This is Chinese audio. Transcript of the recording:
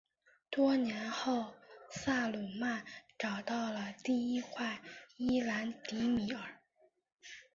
多年后萨鲁曼找到了第一块伊兰迪米尔。